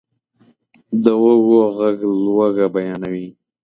د وږو ږغ لوږه بیانوي.